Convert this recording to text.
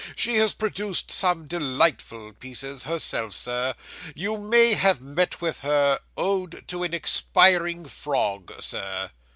She has produced some delightful pieces, herself, sir. You may have met with her "Ode to an Expiring Frog," sir.